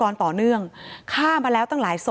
เป็นวันที่๑๕ธนวาคมแต่คุณผู้ชมค่ะกลายเป็นวันที่๑๕ธนวาคม